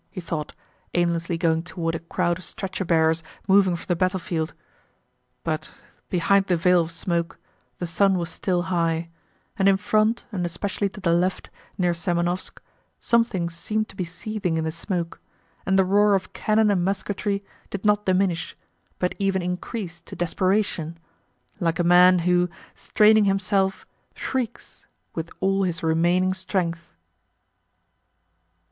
he thought, aimlessly going toward a crowd of stretcher bearers moving from the battlefield. But behind the veil of smoke the sun was still high, and in front and especially to the left, near Semënovsk, something seemed to be seething in the smoke, and the roar of cannon and musketry did not diminish, but even increased to desperation like a man who, straining himself, shrieks with all his remaining strength.